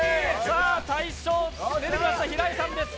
大将出てきました、平井さんです。